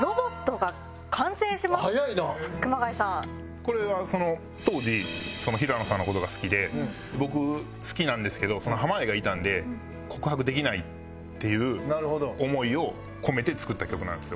これはその当時平野さんの事が好きで僕好きなんですけど濱家がいたんで告白できないっていう思いを込めて作った曲なんですよ。